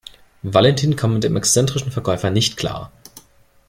Valentin kam mit dem exzentrischen Verkäufer nicht klar.